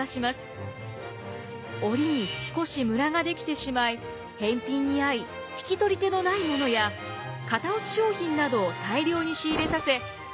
織りに少しムラが出来てしまい返品にあい引き取り手のないものや型落ち商品などを大量に仕入れさせ安さを追求。